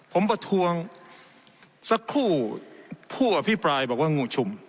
ผมประท้วงสักครู่ผู้อภิปรายบอกว่างูชุม